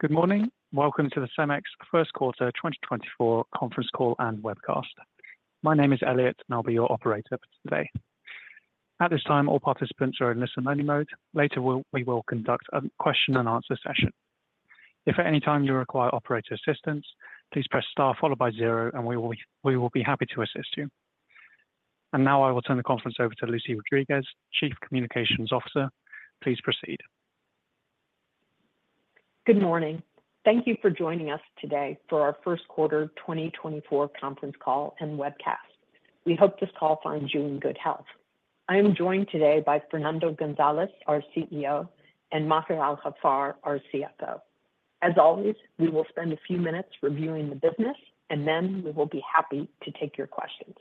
Good morning. Welcome to the CEMEX first quarter 2024 conference call and webcast. My name is Elliot, and I'll be your operator for today. At this time, all participants are in listen-only mode. Later we will conduct a question-and-answer session. If at any time you require operator assistance, please press star followed by 0, and we will be happy to assist you. And now I will turn the conference over to Lucy Rodriguez, Chief Communications Officer. Please proceed. Good morning. Thank you for joining us today for our first quarter 2024 conference call and webcast. We hope this call finds you in good health. I am joined today by Fernando González, our CEO, and Maher Al-Haffar, our CFO. As always, we will spend a few minutes reviewing the business, and then we will be happy to take your questions.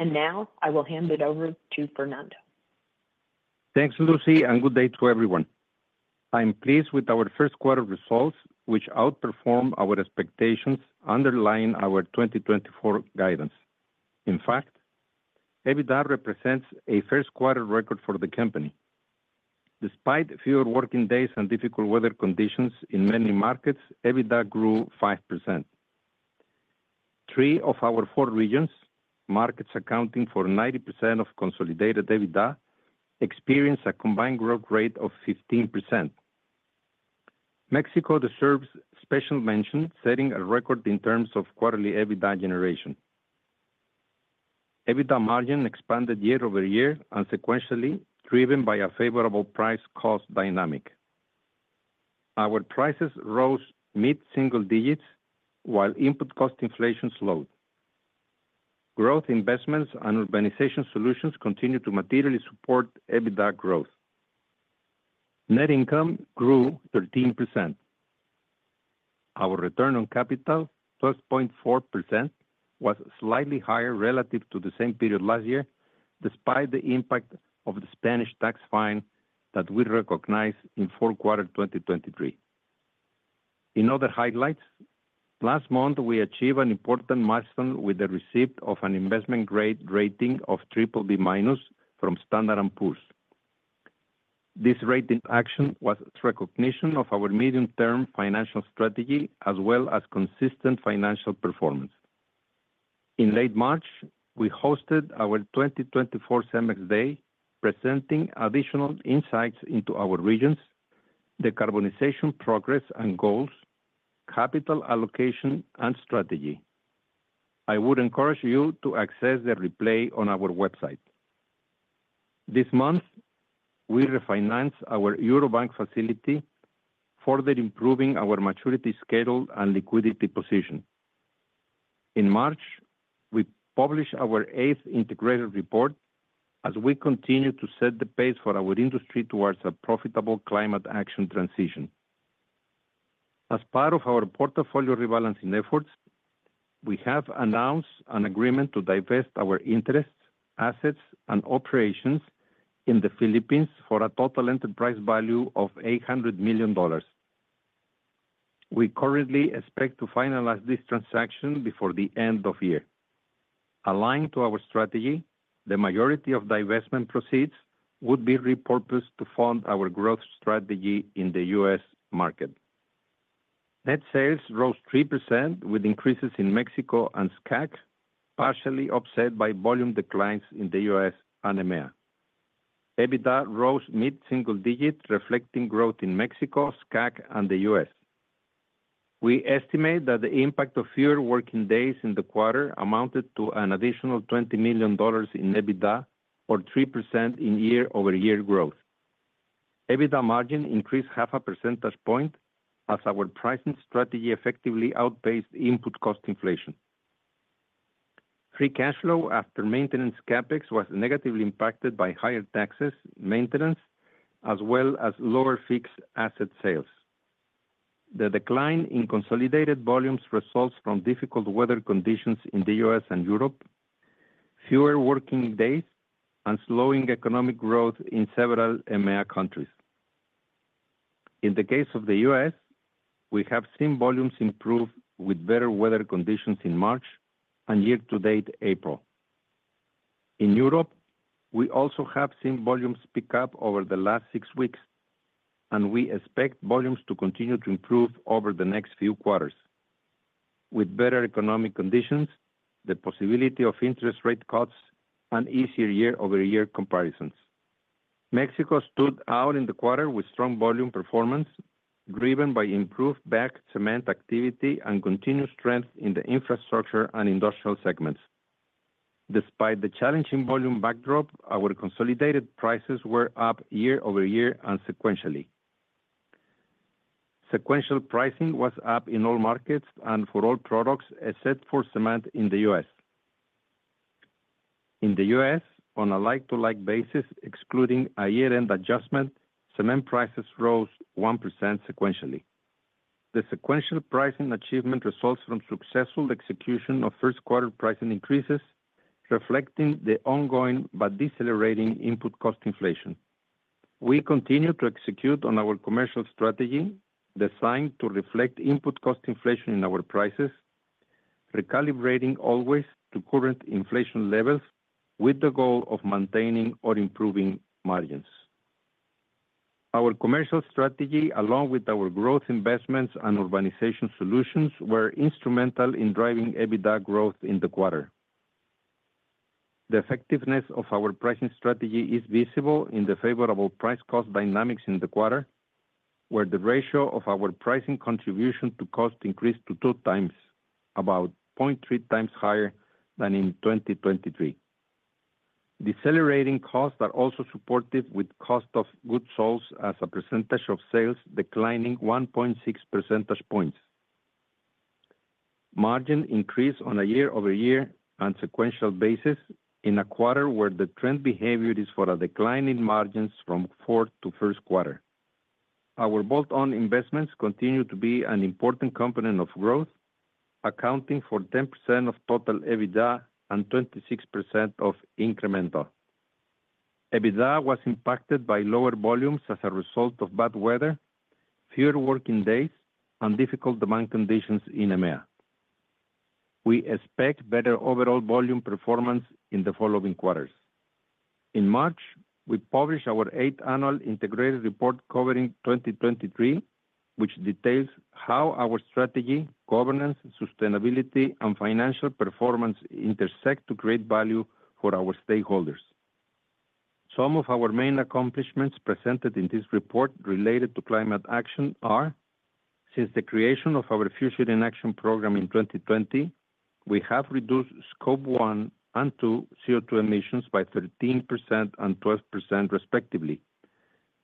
Now I will hand it over to Fernando. Thanks, Lucy, and good day to everyone. I'm pleased with our first quarter results, which outperformed our expectations underlying our 2024 guidance. In fact, EBITDA represents a first quarter record for the company. Despite fewer working days and difficult weather conditions in many markets, EBITDA grew 5%. Three of our four regions, markets accounting for 90% of consolidated EBITDA, experienced a combined growth rate of 15%. Mexico deserves special mention, setting a record in terms of quarterly EBITDA generation. EBITDA margin expanded year-over-year and sequentially, driven by a favorable price-cost dynamic. Our prices rose mid-single digits while input cost inflation slowed. Growth investments and Urbanization Solutions continue to materially support EBITDA growth. Net income grew 13%. Our return on capital, 12.4%, was slightly higher relative to the same period last year, despite the impact of the Spanish tax fine that we recognized in fourth quarter 2023. In other highlights, last month we achieved an important milestone with the receipt of an investment grade rating of BBB- from Standard & Poor's. This rating action was recognition of our medium-term financial strategy as well as consistent financial performance. In late March, we hosted our 2024 CEMEX Day, presenting additional insights into our regions, decarbonization progress and goals, capital allocation and strategy. I would encourage you to access the replay on our website. This month, we refinanced our Eurobank facility further improving our maturity schedule and liquidity position. In March, we published our eighth integrated report as we continue to set the pace for our industry towards a profitable climate action transition. As part of our portfolio rebalancing efforts, we have announced an agreement to divest our interests, assets, and operations in the Philippines for a total enterprise value of $800 million. We currently expect to finalize this transaction before the end of year. Aligned to our strategy, the majority of divestment proceeds would be repurposed to fund our growth strategy in the U.S. market. Net sales rose 3% with increases in Mexico and SCAC, partially offset by volume declines in the U.S. and EMEA. EBITDA rose mid-single digit, reflecting growth in Mexico, SCAC, and the U.S. We estimate that the impact of fewer working days in the quarter amounted to an additional $20 million in EBITDA, or 3% in year-over-year growth. EBITDA margin increased half a percentage point as our pricing strategy effectively outpaced input cost inflation. Free cash flow after maintenance CapEx was negatively impacted by higher taxes, maintenance, as well as lower fixed asset sales. The decline in consolidated volumes results from difficult weather conditions in the U.S. and Europe, fewer working days, and slowing economic growth in several EMEA countries. In the case of the U.S., we have seen volumes improve with better weather conditions in March and year-to-date April. In Europe, we also have seen volumes pick up over the last six weeks, and we expect volumes to continue to improve over the next few quarters, with better economic conditions, the possibility of interest rate cuts, and easier year-over-year comparisons. Mexico stood out in the quarter with strong volume performance, driven by improved bag cement activity and continued strength in the infrastructure and industrial segments. Despite the challenging volume backdrop, our consolidated prices were up year-over-year and sequentially. Sequential pricing was up in all markets and for all products, except for cement in the U.S. In the U.S., on a like-to-like basis, excluding a year-end adjustment, cement prices rose 1% sequentially. The sequential pricing achievement results from successful execution of first quarter pricing increases, reflecting the ongoing but decelerating input cost inflation. We continue to execute on our commercial strategy designed to reflect input cost inflation in our prices, recalibrating always to current inflation levels with the goal of maintaining or improving margins. Our commercial strategy, along with our growth investments and Urbanization Solutions, were instrumental in driving EBITDA growth in the quarter. The effectiveness of our pricing strategy is visible in the favorable price-cost dynamics in the quarter, where the ratio of our pricing contribution to cost increased to 2x, about 0.3x higher than in 2023. Decelerating costs are also supportive with cost of goods sold as a percentage of sales declining 1.6 percentage points. Margin increase on a year-over-year and sequential basis in a quarter where the trend behavior is for a decline in margins from fourth to first quarter. Our bolt-on investments continue to be an important component of growth, accounting for 10% of total EBITDA and 26% of incremental. EBITDA was impacted by lower volumes as a result of bad weather, fewer working days, and difficult demand conditions in EMEA. We expect better overall volume performance in the following quarters. In March, we published our eighth annual integrated report covering 2023, which details how our strategy, governance, sustainability, and financial performance intersect to create value for our stakeholders. Some of our main accomplishments presented in this report related to climate action are: since the creation of our Future in Action program in 2020, we have reduced Scope 1 and 2 CO2 emissions by 13% and 12%, respectively,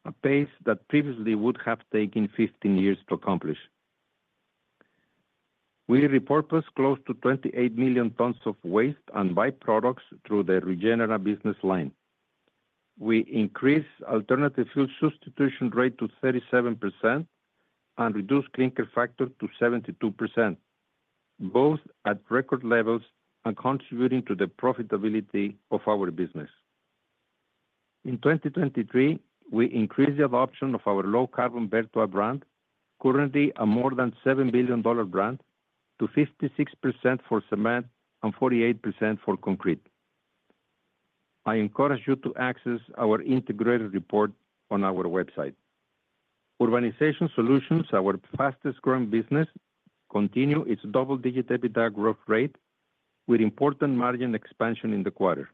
a pace that previously would have taken 15 years to accomplish. We repurposed close to 28 million tons of waste and byproducts through the Regenera business line. We increased alternative fuel substitution rate to 37% and reduced clinker factor to 72%, both at record levels and contributing to the profitability of our business. In 2023, we increased the adoption of our low-carbon Vertua brand, currently a more than $7 billion brand, to 56% for cement and 48% for concrete. I encourage you to access our integrated report on our website. Urbanization Solutions, our fastest-growing business, continues its double-digit EBITDA growth rate with important margin expansion in the quarter.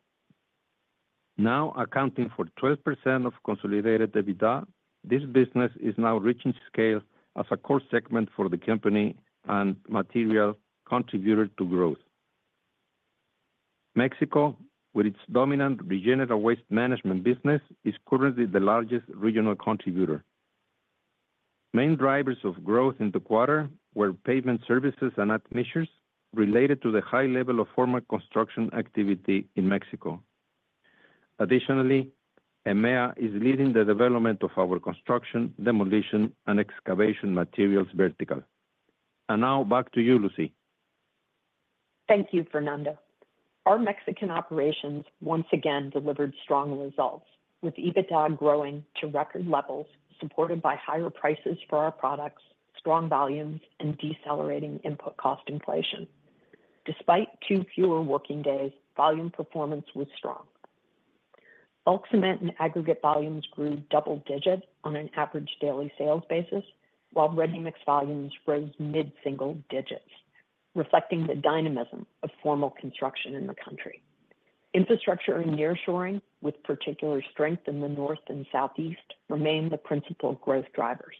Now accounting for 12% of consolidated EBITDA, this business is now reaching scale as a core segment for the company and material contributor to growth. Mexico, with its dominant Regenera waste management business, is currently the largest regional contributor. Main drivers of growth in the quarter were payment services and admissions related to the high level of formal construction activity in Mexico. Additionally, EMEA is leading the development of our construction, demolition, and excavation materials vertical. Now back to you, Lucy. Thank you, Fernando. Our Mexican operations once again delivered strong results, with EBITDA growing to record levels supported by higher prices for our products, strong volumes, and decelerating input cost inflation. Despite two fewer working days, volume performance was strong. Bulk cement and aggregate volumes grew double-digit on an average daily sales basis, while ready-mix volumes rose mid-single digits, reflecting the dynamism of formal construction in the country. Infrastructure and nearshoring, with particular strength in the north and southeast, remain the principal growth drivers.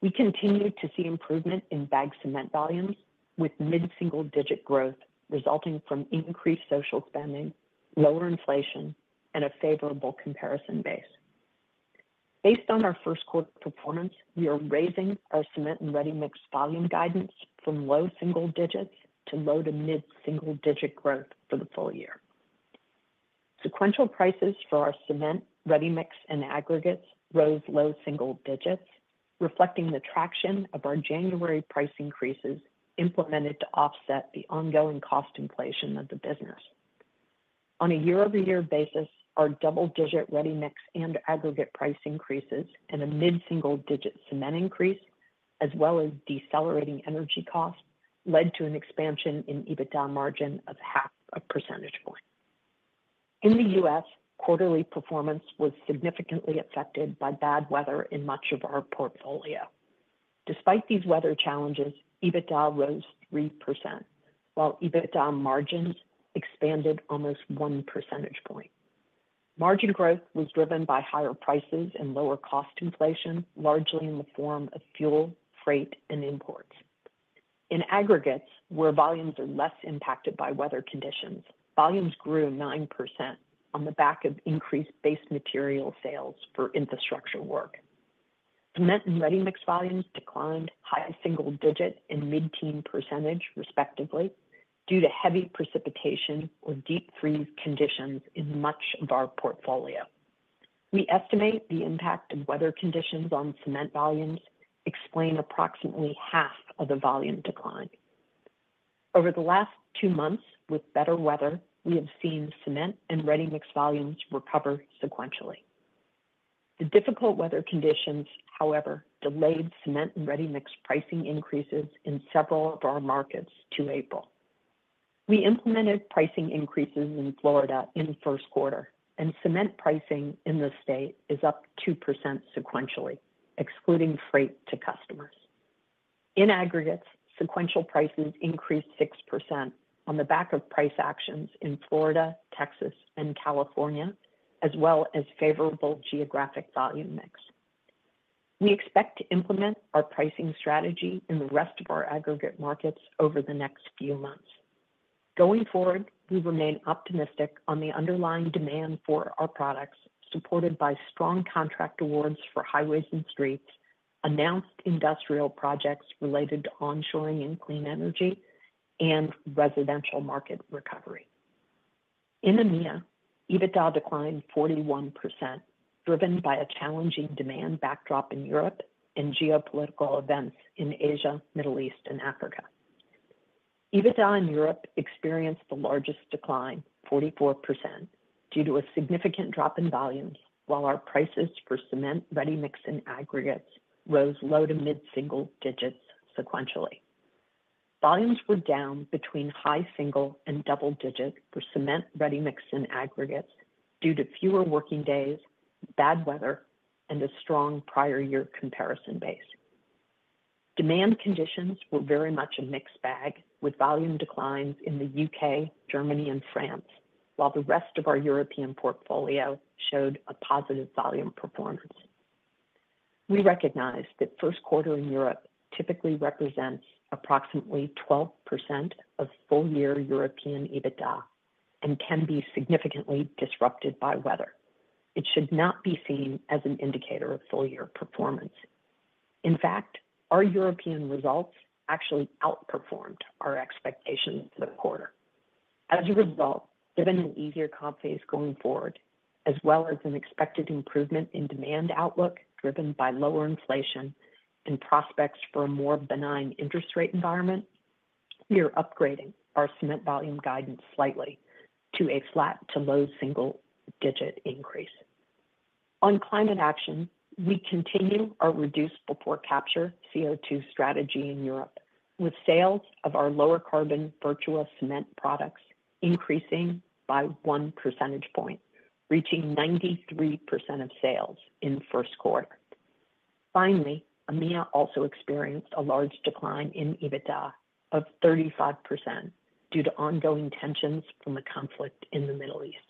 We continue to see improvement in bag cement volumes, with mid-single digit growth resulting from increased social spending, lower inflation, and a favorable comparison base. Based on our first quarter performance, we are raising our cement and ready-mix volume guidance from low single digits to low to mid-single digit growth for the full year. Sequential prices for our cement, ready-mix, and aggregates rose low single digits, reflecting the traction of our January price increases implemented to offset the ongoing cost inflation of the business. On a year-over-year basis, our double-digit ready-mix and aggregate price increases and a mid-single digit cement increase, as well as decelerating energy costs, led to an expansion in EBITDA margin of 0.5 percentage point. In the U.S., quarterly performance was significantly affected by bad weather in much of our portfolio. Despite these weather challenges, EBITDA rose 3%, while EBITDA margins expanded almost 1 percentage point. Margin growth was driven by higher prices and lower cost inflation, largely in the form of fuel, freight, and imports. In aggregates, where volumes are less impacted by weather conditions, volumes grew 9% on the back of increased base material sales for infrastructure work. Cement and ready-mix volumes declined high single-digit and mid-teens percentage, respectively, due to heavy precipitation or deep freeze conditions in much of our portfolio. We estimate the impact of weather conditions on cement volumes explains approximately half of the volume decline. Over the last two months, with better weather, we have seen cement and ready-mix volumes recover sequentially. The difficult weather conditions, however, delayed cement and ready-mix pricing increases in several of our markets to April. We implemented pricing increases in Florida in the first quarter, and cement pricing in the state is up 2% sequentially, excluding freight to customers. In aggregates, sequential prices increased 6% on the back of price actions in Florida, Texas, and California, as well as favorable geographic volume mix. We expect to implement our pricing strategy in the rest of our aggregate markets over the next few months. Going forward, we remain optimistic on the underlying demand for our products, supported by strong contract awards for highways and streets, announced industrial projects related to onshoring and clean energy, and residential market recovery. In EMEA, EBITDA declined 41%, driven by a challenging demand backdrop in Europe and geopolitical events in Asia, Middle East, and Africa. EBITDA in Europe experienced the largest decline, 44%, due to a significant drop in volumes, while our prices for cement, ready-mix, and aggregates rose low- to mid-single digits sequentially. Volumes were down between high-single- and double-digit for cement, ready-mix, and aggregates due to fewer working days, bad weather, and a strong prior-year comparison base. Demand conditions were very much a mixed bag, with volume declines in the U.K., Germany, and France, while the rest of our European portfolio showed a positive volume performance. We recognize that first quarter in Europe typically represents approximately 12% of full-year European EBITDA and can be significantly disrupted by weather. It should not be seen as an indicator of full-year performance. In fact, our European results actually outperformed our expectations for the quarter. As a result, given an easier comp phase going forward, as well as an expected improvement in demand outlook driven by lower inflation and prospects for a more benign interest rate environment, we are upgrading our cement volume guidance slightly to a flat to low single digit increase. On climate action, we continue our reduce-before-capture CO2 strategy in Europe, with sales of our lower-carbon Vertua cement products increasing by 1 percentage point, reaching 93% of sales in first quarter. Finally, EMEA also experienced a large decline in EBITDA of 35% due to ongoing tensions from the conflict in the Middle East.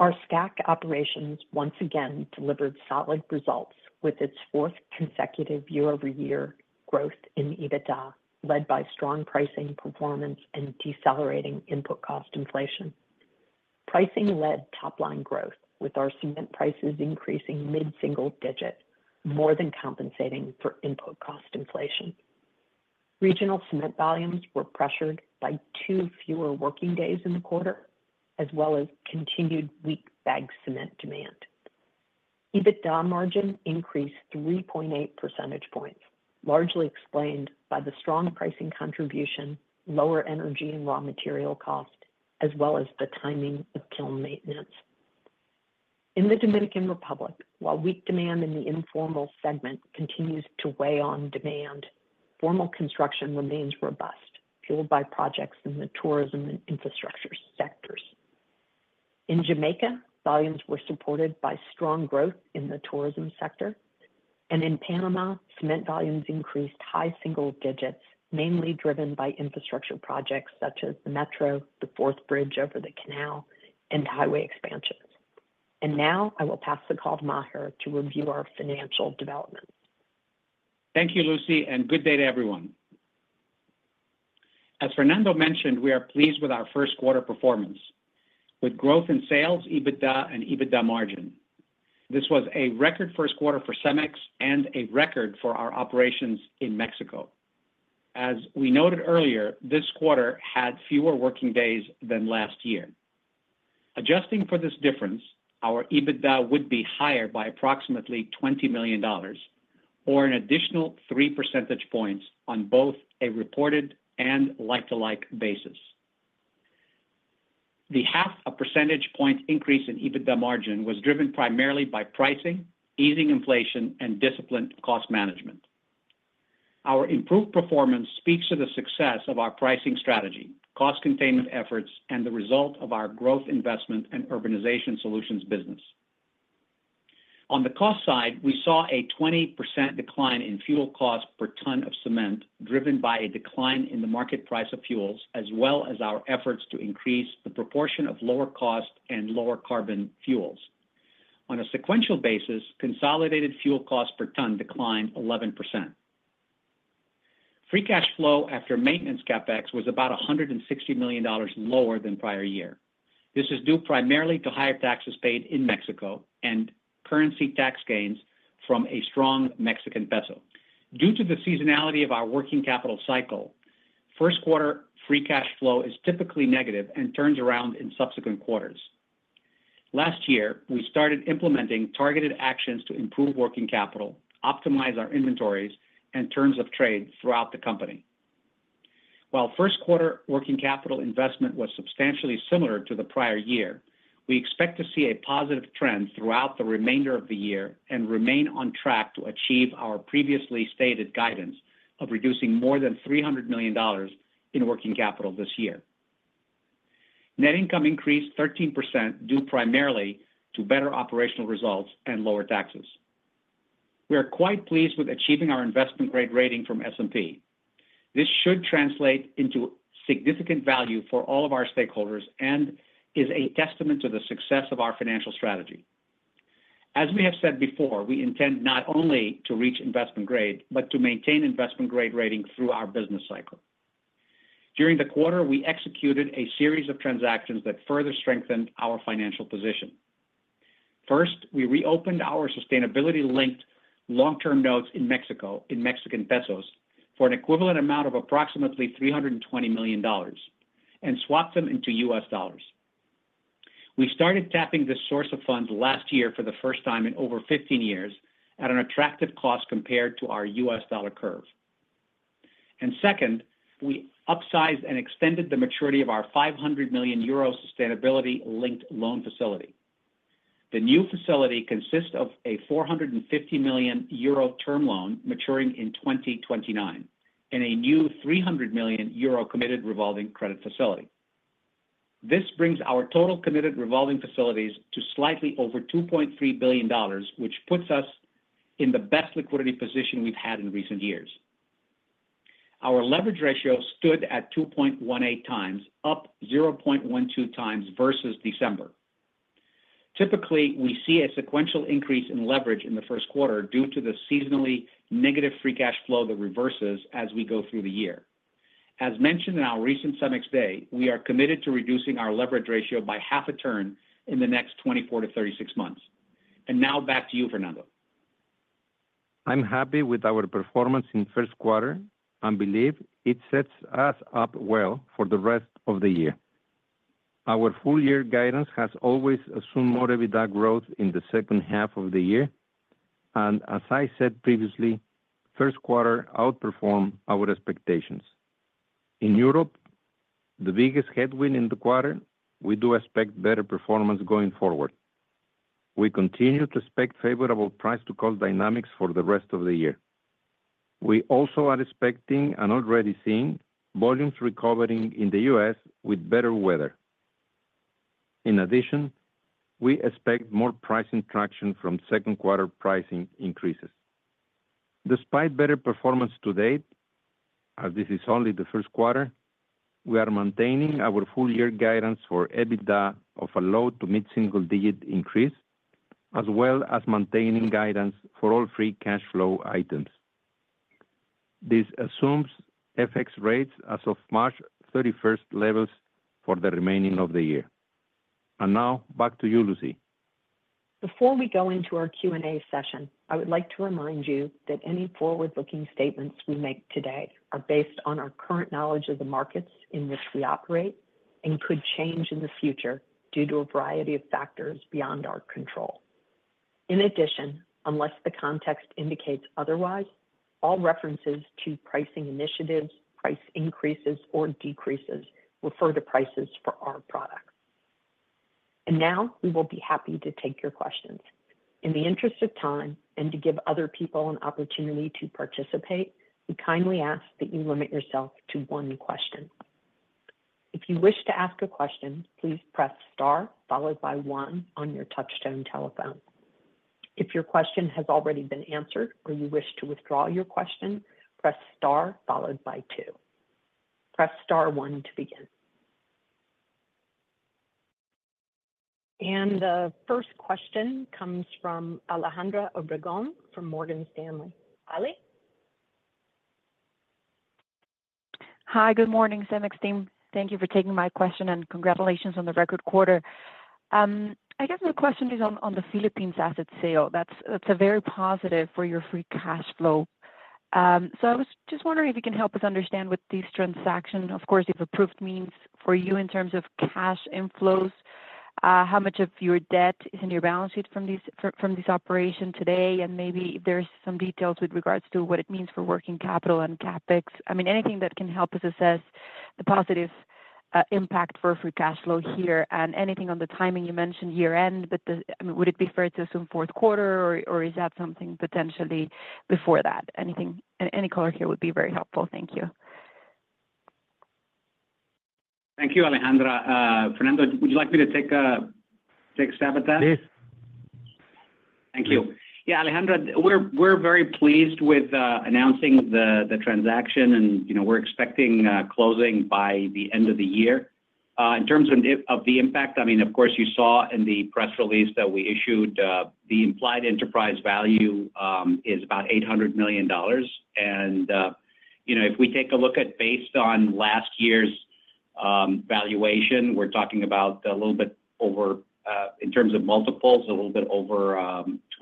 Our SCAC operations once again delivered solid results with its fourth consecutive year-over-year growth in EBITDA, led by strong pricing performance and decelerating input cost inflation. Pricing led top-line growth, with our cement prices increasing mid-single digit, more than compensating for input cost inflation. Regional cement volumes were pressured by two fewer working days in the quarter, as well as continued weak bag cement demand. EBITDA margin increased 3.8 percentage points, largely explained by the strong pricing contribution, lower energy and raw material cost, as well as the timing of kiln maintenance. In the Dominican Republic, while weak demand in the informal segment continues to weigh on demand, formal construction remains robust, fueled by projects in the tourism and infrastructure sectors. In Jamaica, volumes were supported by strong growth in the tourism sector. In Panama, cement volumes increased high single digits, mainly driven by infrastructure projects such as the metro, the fourth bridge over the canal, and highway expansions. Now I will pass the call to Maher to review our financial developments. Thank you, Lucy, and good day to everyone. As Fernando mentioned, we are pleased with our first quarter performance, with growth in sales, EBITDA, and EBITDA margin. This was a record first quarter for CEMEX and a record for our operations in Mexico. As we noted earlier, this quarter had fewer working days than last year. Adjusting for this difference, our EBITDA would be higher by approximately $20 million, or an additional 3 percentage points on both a reported and like-for-like basis. The 0.5 percentage point increase in EBITDA margin was driven primarily by pricing, easing inflation, and disciplined cost management. Our improved performance speaks to the success of our pricing strategy, cost containment efforts, and the result of our growth investment and Urbanization Solutions business. On the cost side, we saw a 20% decline in fuel cost per ton of cement, driven by a decline in the market price of fuels, as well as our efforts to increase the proportion of lower cost and lower carbon fuels. On a sequential basis, consolidated fuel cost per ton declined 11%. Free cash flow after maintenance CapEx was about $160 million lower than prior year. This is due primarily to higher taxes paid in Mexico and currency tax gains from a strong Mexican peso. Due to the seasonality of our working capital cycle, first quarter free cash flow is typically negative and turns around in subsequent quarters. Last year, we started implementing targeted actions to improve working capital, optimize our inventories, and terms of trade throughout the company. While first quarter working capital investment was substantially similar to the prior year, we expect to see a positive trend throughout the remainder of the year and remain on track to achieve our previously stated guidance of reducing more than $300 million in working capital this year. Net income increased 13% due primarily to better operational results and lower taxes. We are quite pleased with achieving our investment-grade rating from S&P. This should translate into significant value for all of our stakeholders and is a testament to the success of our financial strategy. As we have said before, we intend not only to reach investment grade but to maintain investment-grade rating through our business cycle. During the quarter, we executed a series of transactions that further strengthened our financial position. First, we reopened our sustainability-linked long-term notes in Mexico in Mexican pesos for an equivalent amount of approximately $320 million and swapped them into U.S. dollars. We started tapping this source of funds last year for the first time in over 15 years at an attractive cost compared to our U.S. dollar curve. And second, we upsized and extended the maturity of our 500 million euro sustainability-linked loan facility. The new facility consists of a 450 million euro term loan maturing in 2029 and a new 300 million euro committed revolving credit facility. This brings our total committed revolving facilities to slightly over $2.3 billion, which puts us in the best liquidity position we've had in recent years. Our leverage ratio stood at 2.18x, up 0.12x versus December. Typically, we see a sequential increase in leverage in the first quarter due to the seasonally negative free cash flow that reverses as we go through the year. As mentioned in our recent CEMEX day, we are committed to reducing our leverage ratio by half a turn in the next 24-36 months. Now back to you, Fernando. I'm happy with our performance in first quarter and believe it sets us up well for the rest of the year. Our full-year guidance has always assumed more EBITDA growth in the second half of the year. As I said previously, first quarter outperformed our expectations. In Europe, the biggest headwind in the quarter, we do expect better performance going forward. We continue to expect favorable price-to-cost dynamics for the rest of the year. We also are expecting and already seeing volumes recovering in the U.S. with better weather. In addition, we expect more pricing traction from second quarter pricing increases. Despite better performance to date, as this is only the first quarter, we are maintaining our full-year guidance for EBITDA of a low to mid-single digit increase, as well as maintaining guidance for all free cash flow items. This assumes FX rates as of March 31st levels for the remaining of the year. Now back to you, Lucy. Before we go into our Q&A session, I would like to remind you that any forward-looking statements we make today are based on our current knowledge of the markets in which we operate and could change in the future due to a variety of factors beyond our control. In addition, unless the context indicates otherwise, all references to pricing initiatives, price increases, or decreases refer to prices for our products. Now we will be happy to take your questions. In the interest of time and to give other people an opportunity to participate, we kindly ask that you limit yourself to one question. If you wish to ask a question, please press star followed by one on your touchtone telephone. If your question has already been answered or you wish to withdraw your question, press star followed by two. Press star one to begin. The first question comes from Alejandra Obregón from Morgan Stanley. Hi. Good morning, CEMEX team. Thank you for taking my question, and congratulations on the record quarter. I guess my question is on the Philippines asset sale. That's a very positive for your free cash flow. So I was just wondering if you can help us understand with these transactions, of course, the approved means for you in terms of cash inflows, how much of your debt is in your balance sheet from this operation today, and maybe if there's some details with regards to what it means for working capital and CapEx. I mean, anything that can help us assess the positive impact for free cash flow here, and anything on the timing you mentioned year-end, but would it be fair to assume fourth quarter, or is that something potentially before that? Any color here would be very helpful. Thank you. Thank you, Alejandra. Fernando, would you like me to take a stab at that? Please. Thank you. Yeah, Alejandra, we're very pleased with announcing the transaction, and we're expecting closing by the end of the year. In terms of the impact, I mean, of course, you saw in the press release that we issued, the implied enterprise value is about $800 million. If we take a look at based on last year's valuation, we're talking about a little bit over in terms of multiples, a little bit over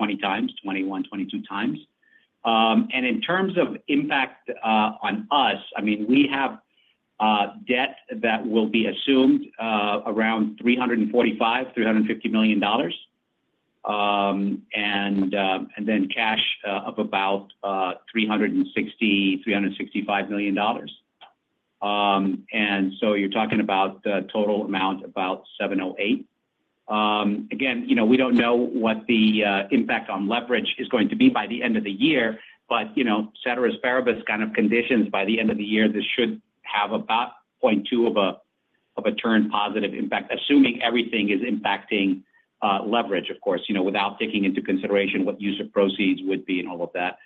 20x, 21x, 22x. In terms of impact on us, I mean, we have debt that will be assumed around $345 million-$350 million, and then cash of about $360 million-$365 million. So you're talking about total amount about $708 million. Again, we don't know what the impact on leverage is going to be by the end of the year, but ceteris paribus kind of conditions, by the end of the year, this should have about 0.2 of a turn positive impact, assuming everything is impacting leverage, of course, without taking into consideration what use of proceeds would be and all of that.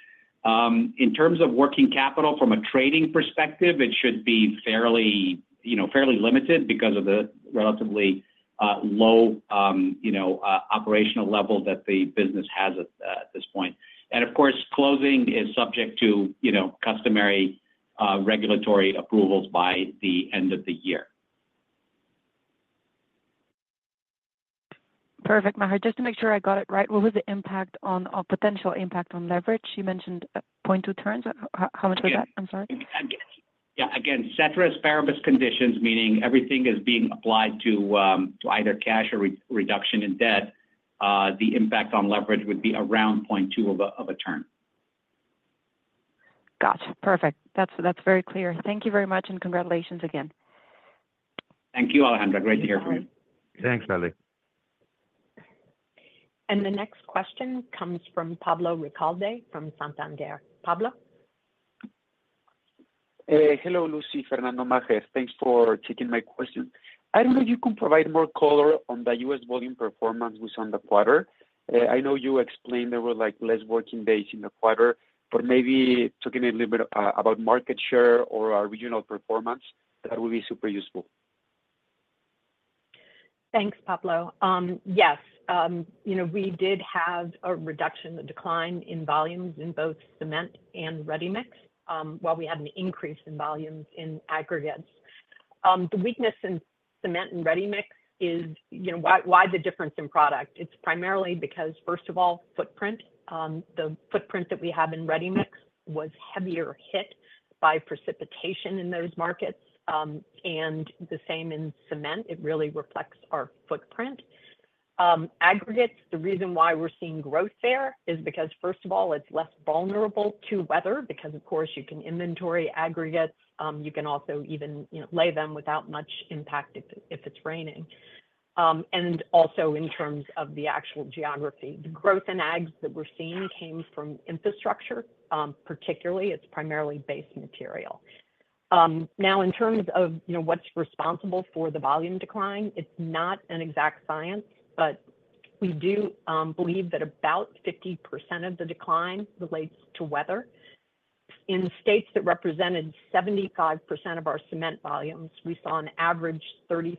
In terms of working capital from a trading perspective, it should be fairly limited because of the relatively low operational level that the business has at this point. And of course, closing is subject to customary regulatory approvals by the end of the year. Perfect, Maher. Just to make sure I got it right, what was the impact on potential impact on leverage? You mentioned 0.2 turns. How much was that? I'm sorry. Yeah. Again, ceteris paribus conditions, meaning everything is being applied to either cash or reduction in debt, the impact on leverage would be around 0.2 of a turn. Gotcha. Perfect. That's very clear. Thank you very much, and congratulations again. Thank you, Alejandra. Great to hear from you. Thanks, Ale. The next question comes from Pablo Ricalde from Santander. Pablo? Hello, Lucy, Fernando, Maher. Thanks for taking my question. I don't know if you can provide more color on the U.S. volume performance within the quarter. I know you explained there were less working days in the quarter, but maybe talking a little bit about market share or regional performance, that would be super useful. Thanks, Pablo. Yes. We did have a reduction, a decline in volumes in both cement and ready mix while we had an increase in volumes in aggregates. The weakness in cement and ready mix is why the difference in product? It's primarily because, first of all, footprint. The footprint that we have in ready mix was heavier hit by precipitation in those markets, and the same in cement. It really reflects our footprint. Aggregates, the reason why we're seeing growth there is because, first of all, it's less vulnerable to weather because, of course, you can inventory aggregates. You can also even lay them without much impact if it's raining. And also in terms of the actual geography, the growth in ags that we're seeing came from infrastructure, particularly. It's primarily base material. Now, in terms of what's responsible for the volume decline, it's not an exact science, but we do believe that about 50% of the decline relates to weather. In states that represented 75% of our cement volumes, we saw an average 35%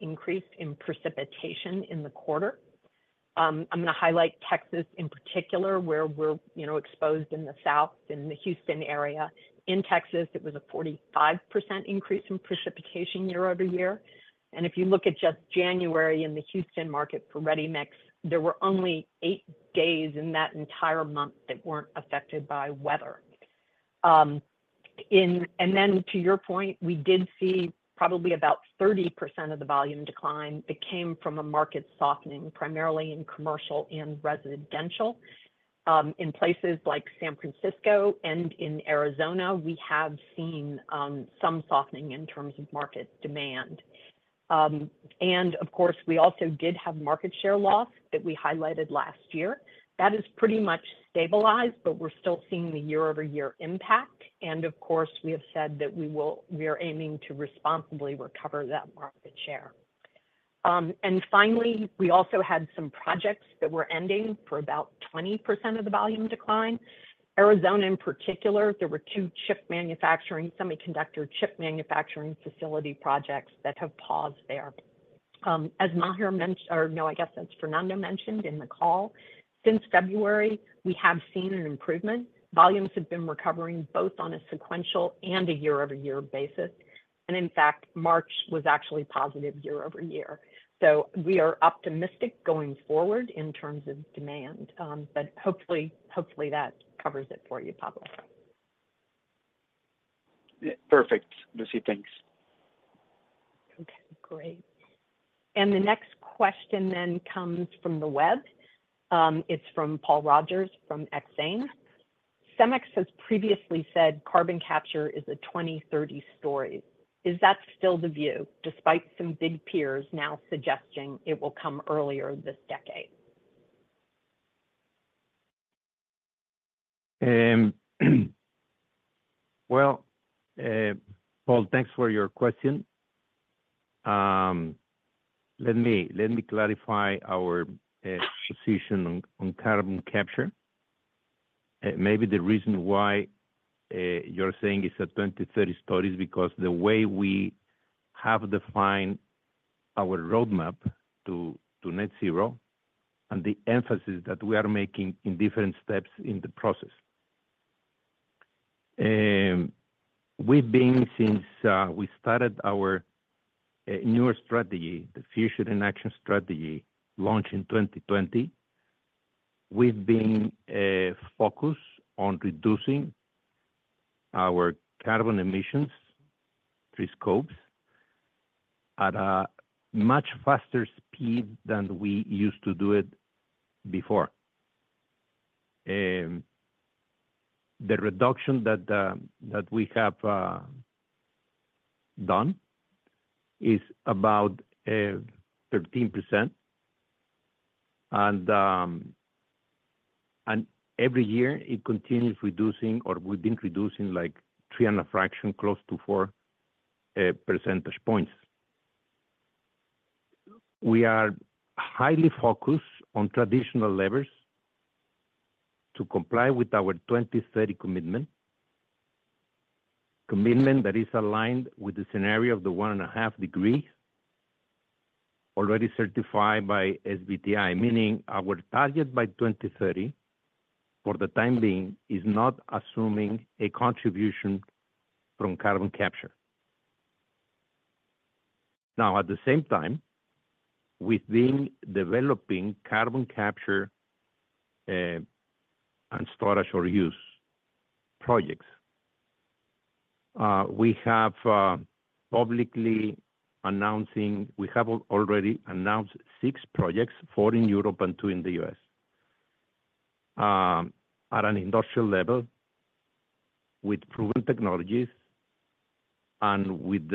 increase in precipitation in the quarter. I'm going to highlight Texas in particular, where we're exposed in the south, in the Houston area. In Texas, it was a 45% increase in precipitation year-over-year. And if you look at just January in the Houston market for ready mix, there were only eight days in that entire month that weren't affected by weather. And then to your point, we did see probably about 30% of the volume decline. It came from a market softening, primarily in commercial and residential. In places like San Francisco and in Arizona, we have seen some softening in terms of market demand. Of course, we also did have market share loss that we highlighted last year. That is pretty much stabilized, but we're still seeing the year-over-year impact. Of course, we have said that we are aiming to responsibly recover that market share. Finally, we also had some projects that were ending for about 20% of the volume decline. Arizona in particular, there were two semiconductor chip manufacturing facility projects that have paused there. As Maher mentioned or no, I guess that's Fernando mentioned in the call, since February, we have seen an improvement. Volumes have been recovering both on a sequential and a year-over-year basis. In fact, March was actually positive year-over-year. So we are optimistic going forward in terms of demand. But hopefully, that covers it for you, Pablo. Perfect, Lucy. Thanks. Okay. Great. And the next question then comes from the web. It's from Paul Rogers from Exane. CEMEX has previously said carbon capture is a 2030 story. Is that still the view despite some big peers now suggesting it will come earlier this decade? Well, Paul, thanks for your question. Let me clarify our position on carbon capture. Maybe the reason why you're saying it's a 2030 story is because the way we have defined our roadmap to net zero and the emphasis that we are making in different steps in the process. Since we started our newer strategy, the Future in Action strategy, launched in 2020, we've been focused on reducing our carbon emissions, three scopes, at a much faster speed than we used to do it before. The reduction that we have done is about 13%. Every year, it continues reducing or we've been reducing like 3 and a fraction, close to 4 percentage points. We are highly focused on traditional levers to comply with our 2030 commitment, commitment that is aligned with the scenario of the 1.5 degrees already certified by SBTi, meaning our target by 2030 for the time being is not assuming a contribution from carbon capture. Now, at the same time, we've been developing carbon capture and storage or use projects. We have already announced 6 projects, 4 in Europe and 2 in the U.S., at an industrial level with proven technologies and with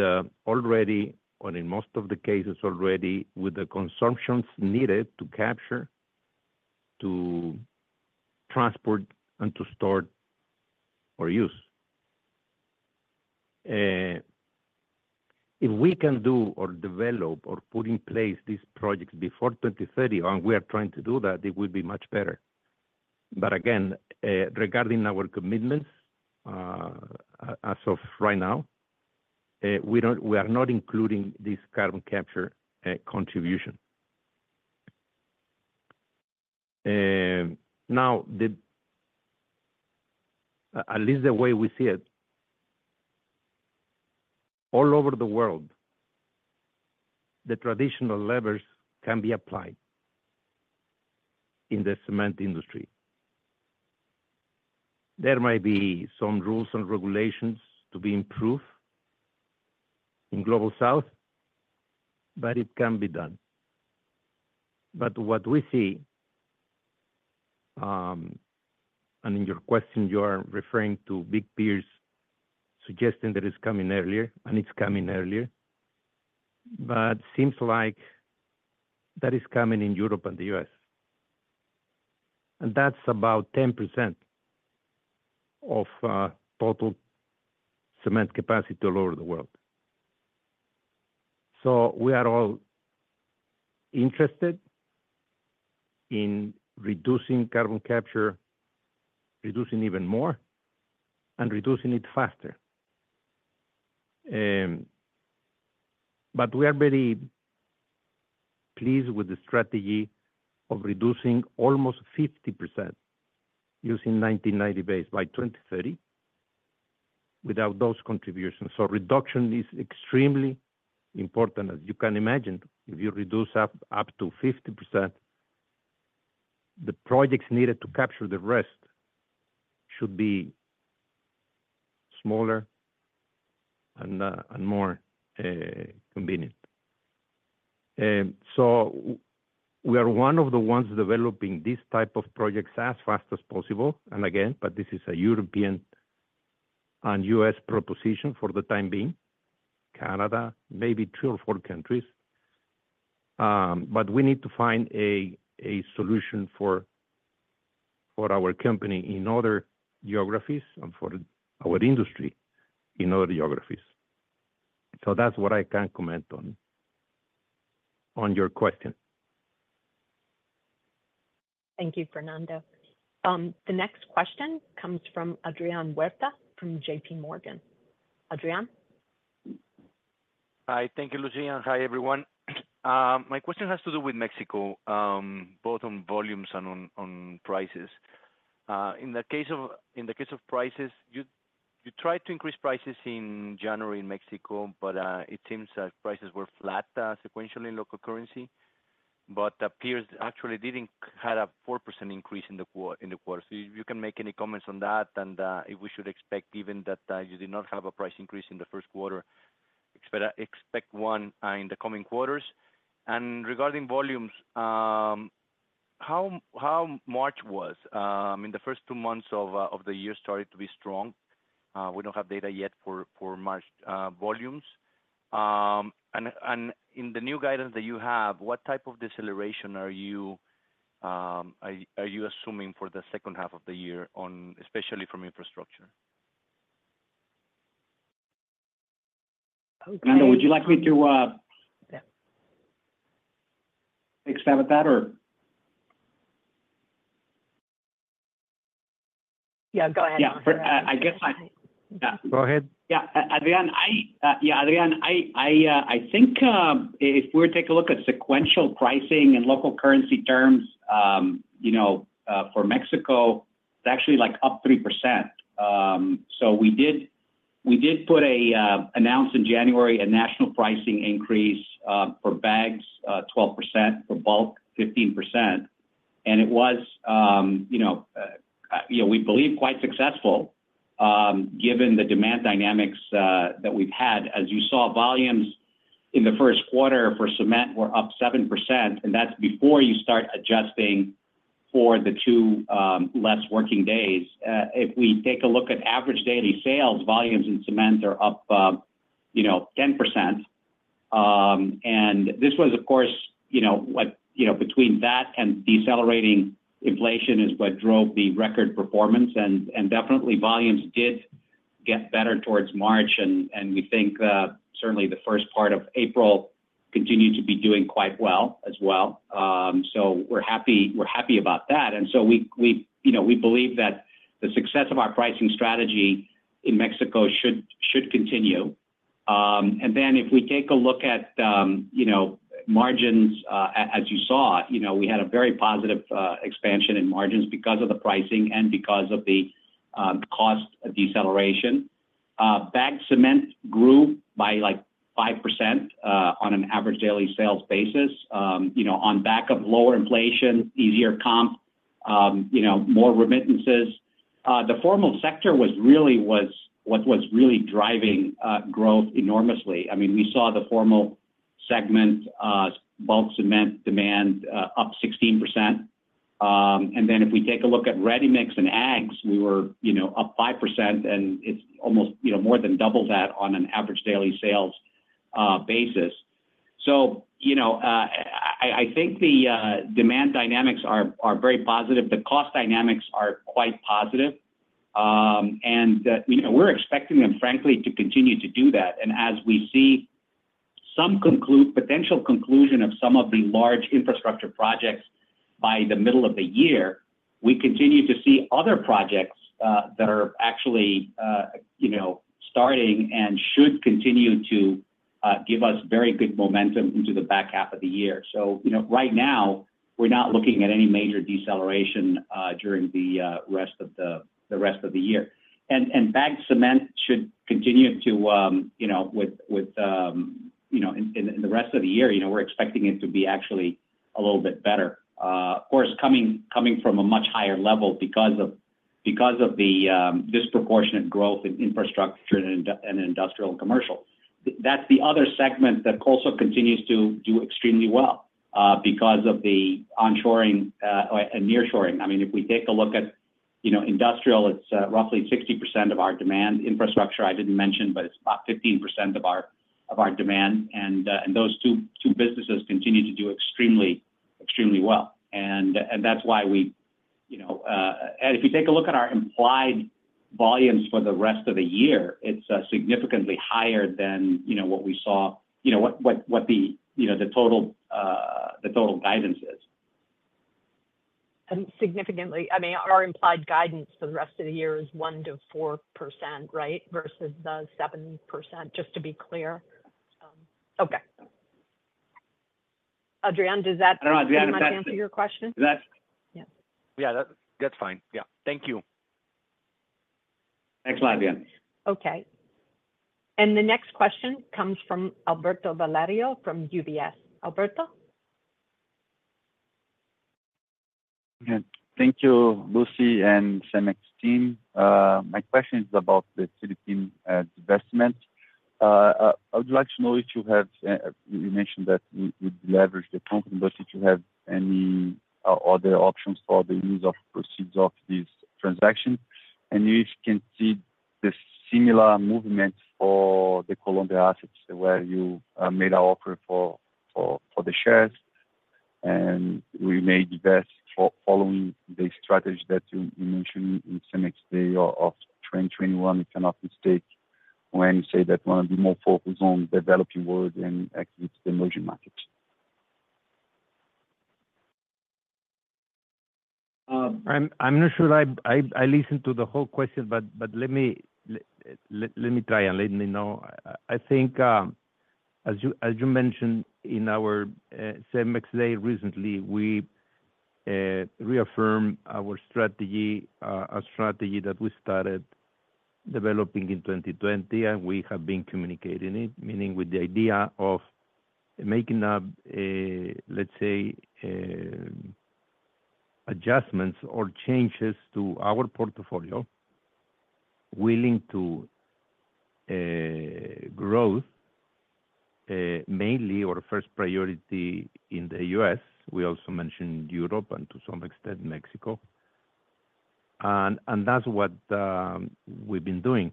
already or in most of the cases, already with the consumptions needed to capture, to transport, and to store or use. If we can do or develop or put in place these projects before 2030, and we are trying to do that, it would be much better. But again, regarding our commitments as of right now, we are not including this carbon capture contribution. Now, at least the way we see it, all over the world, the traditional levers can be applied in the cement industry. There might be some rules and regulations to be improved in Global South, but it can be done. But what we see and in your question, you are referring to big peers suggesting that it's coming earlier, and it's coming earlier, but seems like that is coming in Europe and the U.S. And that's about 10% of total cement capacity all over the world. So we are all interested in reducing carbon capture, reducing even more, and reducing it faster. But we are very pleased with the strategy of reducing almost 50% using 1990 base by 2030 without those contributions. So reduction is extremely important. As you can imagine, if you reduce up to 50%, the projects needed to capture the rest should be smaller and more convenient. So we are one of the ones developing these type of projects as fast as possible. And again, but this is a European and U.S. proposition for the time being, Canada, maybe three or four countries. But we need to find a solution for our company in other geographies and for our industry in other geographies. So that's what I can comment on your question. Thank you, Fernando. The next question comes from Adrian Huerta from JP Morgan. Adrian? Hi. Thank you, Lucy. And hi, everyone. My question has to do with Mexico, both on volumes and on prices. In the case of prices, you tried to increase prices in January in Mexico, but it seems that prices were flat sequentially in local currency. But the peers actually didn't have a 4% increase in the quarter. So, can you make any comments on that? And if we should expect, given that you did not have a price increase in the first quarter, expect one in the coming quarters? And regarding volumes, how was March? I mean, the first two months of the year started to be strong. We don't have data yet for March volumes. And in the new guidance that you have, what type of deceleration are you assuming for the second half of the year, especially from infrastructure? Fernando, would you like me to expand on that, or? Yeah. Go ahead, Maher. Yeah. I guess I yeah. Go ahead. Yeah. Adrian, yeah. Adrian, I think if we take a look at sequential pricing in local currency terms for Mexico, it's actually up 3%. So we did put an announcement in January, a national pricing increase for bags, 12%, for bulk, 15%. And it was, we believe, quite successful given the demand dynamics that we've had. As you saw, volumes in the first quarter for cement were up 7%. And that's before you start adjusting for the two less working days. If we take a look at average daily sales, volumes in cement are up 10%. And this was, of course, between that and decelerating inflation is what drove the record performance. And definitely, volumes did get better towards March. And we think certainly the first part of April continued to be doing quite well as well. So we're happy about that. We believe that the success of our pricing strategy in Mexico should continue. If we take a look at margins, as you saw, we had a very positive expansion in margins because of the pricing and because of the cost deceleration. Bag cement grew by like 5% on an average daily sales basis on back of lower inflation, easier comp, more remittances. The formal sector was really what was really driving growth enormously. I mean, we saw the formal segment bulk cement demand up 16%. If we take a look at ready mix and ags, we were up 5%. It's almost more than double that on an average daily sales basis. I think the demand dynamics are very positive. The cost dynamics are quite positive. We're expecting them, frankly, to continue to do that. As we see some potential conclusion of some of the large infrastructure projects by the middle of the year, we continue to see other projects that are actually starting and should continue to give us very good momentum into the back half of the year. Right now, we're not looking at any major deceleration during the rest of the year. Bagged cement should continue to within the rest of the year. We're expecting it to be actually a little bit better, of course, coming from a much higher level because of the disproportionate growth in infrastructure and industrial and commercial. That's the other segment that also continues to do extremely well because of the onshoring and nearshoring. I mean, if we take a look at industrial, it's roughly 60% of our demand. Infrastructure, I didn't mention, but it's about 15% of our demand. Those two businesses continue to do extremely well. That's why, if you take a look at our implied volumes for the rest of the year, it's significantly higher than what we saw, what the total guidance is. Significantly. I mean, our implied guidance for the rest of the year is 1%-4%, right, versus the 7%, just to be clear. Okay. Adrian, does that? I don't know. Adrian, does that? Does that answer your question? Yeah. Yeah. That's fine. Yeah. Thank you. Thanks a lot, Adrian. Okay. The next question comes from Alberto Valerio from UBS. Alberto? Thank you, Lucy and CEMEX team. My question is about the Philippine investment. I would like to know if you have mentioned that we leverage the company, but if you have any other options for the use of proceeds of these transactions. And if you can see the similar movement for the Colombia assets where you made an offer for the shares, and we may invest following the strategy that you mentioned in CEMEX Day of 2021, if I'm not mistaken, when you say that you want to be more focused on developing world and exit the emerging markets. I'm not sure that I listened to the whole question, but let me try and let me know. I think, as you mentioned in our CEMEX Day recently, we reaffirm our strategy that we started developing in 2020. We have been communicating it, meaning with the idea of making up, let's say, adjustments or changes to our portfolio willing to grow mainly or first priority in the U.S. We also mentioned Europe and, to some extent, Mexico. That's what we've been doing.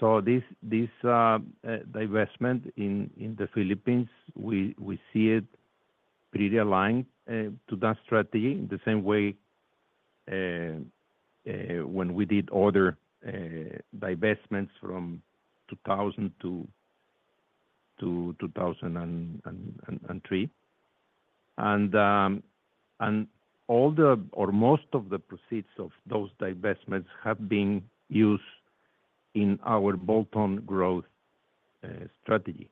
This divestment in the Philippines, we see it pretty aligned to that strategy in the same way when we did other divestments from 2000 to 2003. All the or most of the proceeds of those divestments have been used in our bolt-on growth strategy.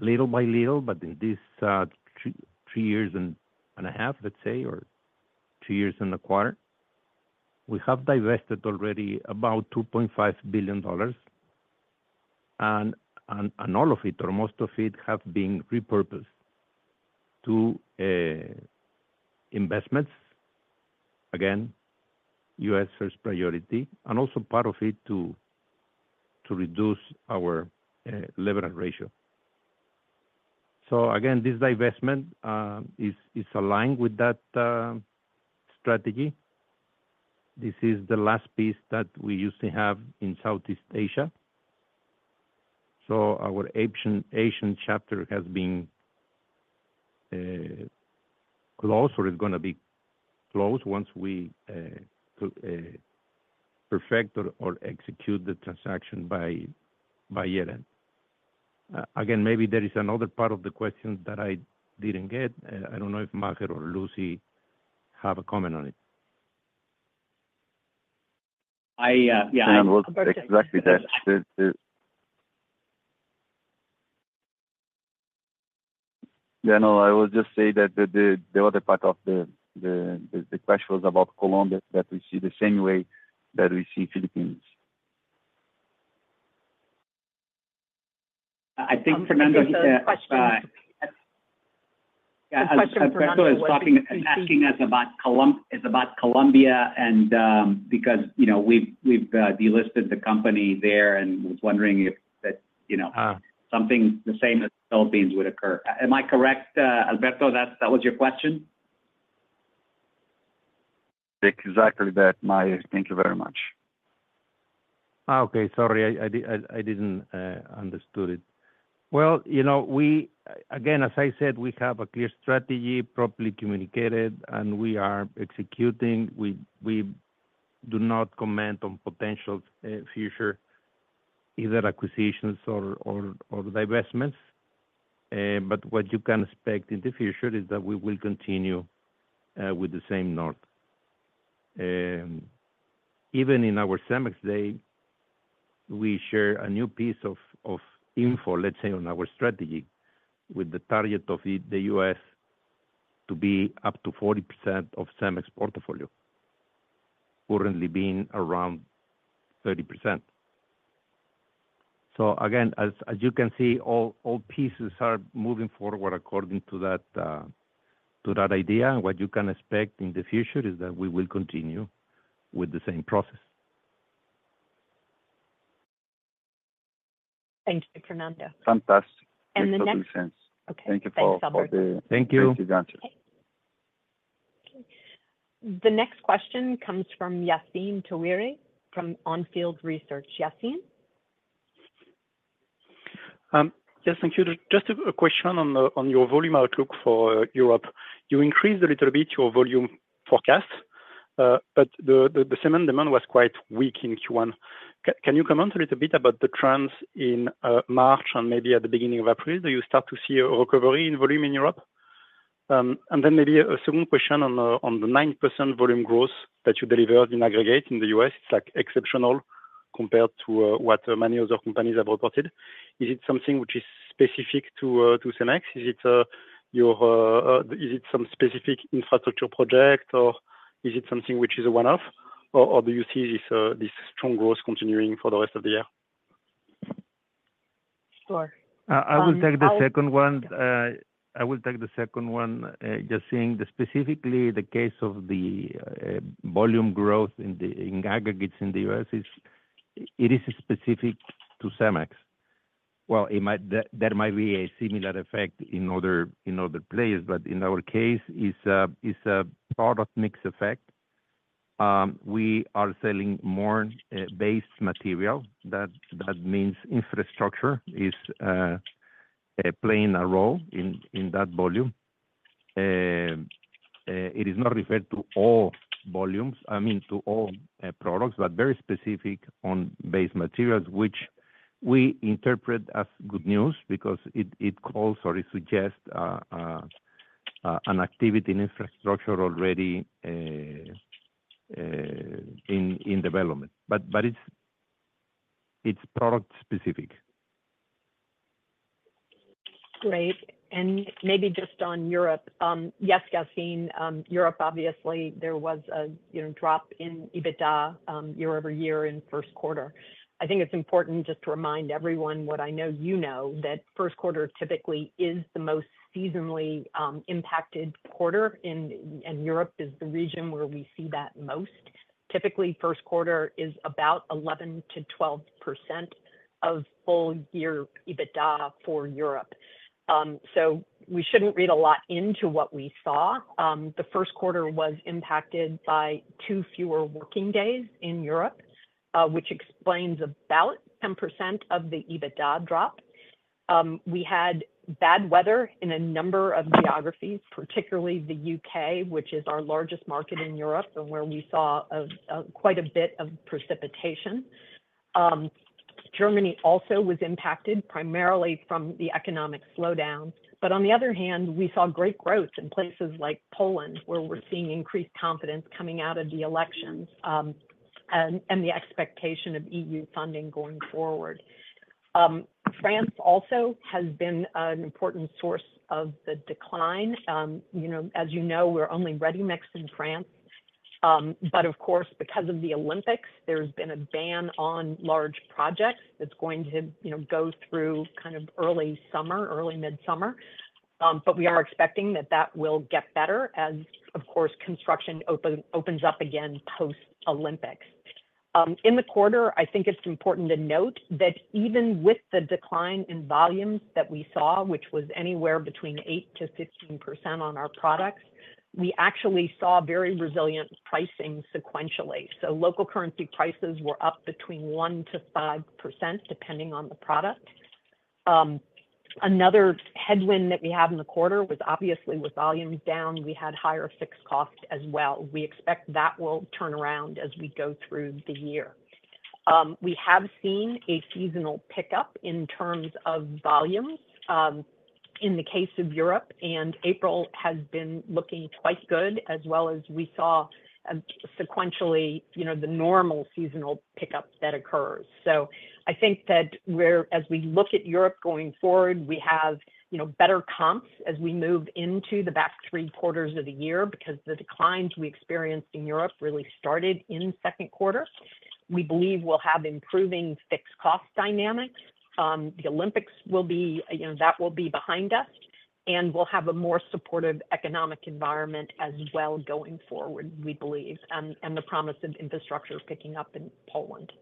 Little by little, but in these three years and a half, let's say, or two years and a quarter, we have divested already about $2.5 billion. All of it or most of it have been repurposed to investments, again, U.S. first priority, and also part of it to reduce our leverage ratio. Again, this divestment is aligned with that strategy. This is the last piece that we used to have in Southeast Asia. Our Asian chapter has been closed or is going to be closed once we perfect or execute the transaction by year-end. Again, maybe there is another part of the question that I didn't get. I don't know if Maher or Lucy have a comment on it. Yeah. I was. Fernando, exactly that. Yeah. No. I was just saying that the other part of the question was about Colombia that we see the same way that we see Philippines. I think Fernando is. I think there's a question. Yeah. I was. Alberto is asking us about Colombia because we've delisted the company there. I was wondering if something the same as the Philippines would occur. Am I correct, Alberto, that was your question? Exactly that, Maher. Thank you very much. Okay. Sorry. I didn't understand it. Well, again, as I said, we have a clear strategy, properly communicated, and we are executing. We do not comment on potential future either acquisitions or divestments. But what you can expect in the future is that we will continue with the same north. Even in our CEMEX Day, we share a new piece of info, let's say, on our strategy with the target of the U.S. to be up to 40% of CEMEX portfolio, currently being around 30%. So again, as you can see, all pieces are moving forward according to that idea. And what you can expect in the future is that we will continue with the same process. Thank you, Fernando. Fantastic. The next. If that makes sense. Okay. Thank you for. Thanks, Alberto. Thank you. Thank you, guys. Okay. The next question comes from Yassine Touahri from Onfield Research. Yassine? Yes, thank you. Just a question on your volume outlook for Europe. You increased a little bit your volume forecast, but the cement demand was quite weak in Q1. Can you comment a little bit about the trends in March and maybe at the beginning of April? Do you start to see a recovery in volume in Europe? And then maybe a second question on the 9% volume growth that you delivered in aggregate in the U.S. It's exceptional compared to what many other companies have reported. Is it something which is specific to CEMEX? Is it some specific infrastructure project, or is it something which is a one-off? Or do you see this strong growth continuing for the rest of the year? Sure. I will take the second one. I will take the second one, just saying specifically the case of the volume growth in aggregates in the U.S., it is specific to CEMEX. Well, there might be a similar effect in other players, but in our case, it's a product mix effect. We are selling more base material. That means infrastructure is playing a role in that volume. It is not referred to all volumes, I mean, to all products, but very specific on base materials, which we interpret as good news because it calls or it suggests an activity in infrastructure already in development. But it's product-specific. Great. Maybe just on Europe. Yes, Yassine, Europe, obviously, there was a drop in EBITDA year-over-year in first quarter. I think it's important just to remind everyone what I know you know, that first quarter typically is the most seasonally impacted quarter. Europe is the region where we see that most. Typically, first quarter is about 11%-12% of full-year EBITDA for Europe. So we shouldn't read a lot into what we saw. The first quarter was impacted by two fewer working days in Europe, which explains about 10% of the EBITDA drop. We had bad weather in a number of geographies, particularly the U.K., which is our largest market in Europe and where we saw quite a bit of precipitation. Germany also was impacted primarily from the economic slowdown. But on the other hand, we saw great growth in places like Poland where we're seeing increased confidence coming out of the elections and the expectation of EU funding going forward. France also has been an important source of the decline. As you know, we're only ready-mix in France. But of course, because of the Olympics, there's been a ban on large projects that's going to go through kind of early summer, early midsummer. But we are expecting that that will get better as, of course, construction opens up again post-Olympics. In the quarter, I think it's important to note that even with the decline in volumes that we saw, which was anywhere between 8%-15% on our products, we actually saw very resilient pricing sequentially. So local currency prices were up between 1%-5% depending on the product. Another headwind that we had in the quarter was obviously with volumes down, we had higher fixed cost as well. We expect that will turn around as we go through the year. We have seen a seasonal pickup in terms of volumes in the case of Europe. April has been looking quite good as well as we saw sequentially the normal seasonal pickup that occurs. So I think that as we look at Europe going forward, we have better comps as we move into the back three quarters of the year because the declines we experienced in Europe really started in second quarter. We believe we'll have improving fixed cost dynamics. The Olympics will be behind us. We'll have a more supportive economic environment as well going forward, we believe, and the promise of infrastructure picking up in Poland.